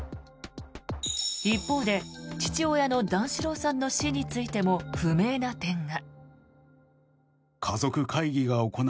一方で父親の段四郎さんの死についても不明な点が。